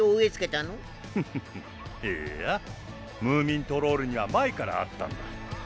ムーミントロールには前からあったんだ。